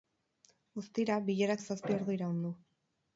Guztira, bilerak zazpi ordu iraun du.